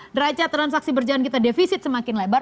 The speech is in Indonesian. deraja transaksi berjalan kita defisit semakin lebar